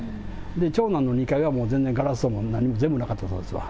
長男の２階はもう全然、ガラスとかも全部なかったですわ。